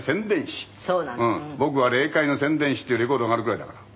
「『僕は霊界の宣伝使』っていうレコードがあるぐらいだから」